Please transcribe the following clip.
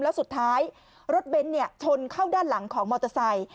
แล้วสุดท้ายรถเบนท์ชนเข้าด้านหลังของมอเตอร์ไซค์